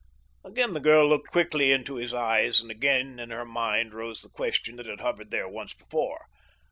Again the girl looked quickly into his eyes and again in her mind rose the question that had hovered there once before.